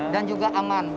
dan juga aman